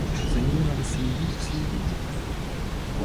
За ними надо следить и следить.